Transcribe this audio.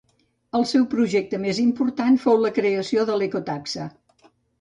El seu projecte més important fou la creació de l'Ecotaxa.